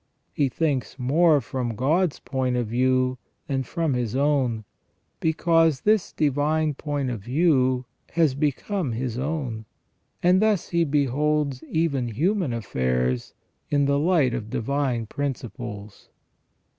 He thinks more from God's point of view than from his own, because this divine point of view has become his own ; and thus he beholds even human affairs in the light of divine principles.